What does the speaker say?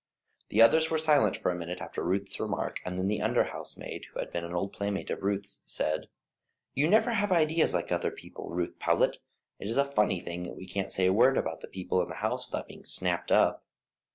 The others were silent for a minute after Ruth's remark, and then the under housemaid, who had been an old playmate of Ruth's, said: "You never have ideas like other people, Ruth Powlett. It is a funny thing that we can't say a word about people in the house without being snapped up."